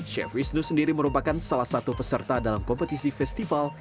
chef wisnu sendiri merupakan salah satu peserta dalam kompetisi festival